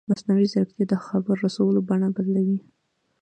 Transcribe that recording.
مصنوعي ځیرکتیا د خبر رسولو بڼه بدلوي.